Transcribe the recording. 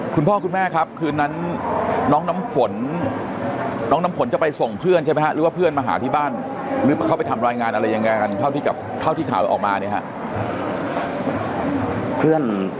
คุณพ่อคุณแม่ครับคืนนั้นน้องน้ำฝนน้องน้ำฝนจะไปส่งเพื่อนใช่ไหมฮะหรือว่าเพื่อนมาหาที่บ้านหรือเขาไปทำรายงานอะไรยังไงกันเท่าที่ข่าวออกมาเนี่ยครับ